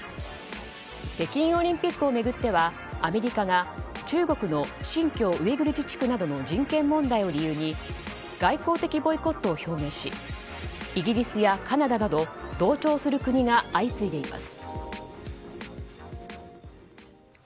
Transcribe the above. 北京オリンピックを巡ってはアメリカが中国の新疆ウイグル自治区などの人権問題を理由に外交的ボイコットを表明しイギリスやカナダなど同調する国が相次いでいます。